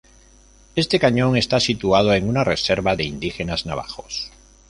Este cañón está situado en una reserva de indígenas navajos.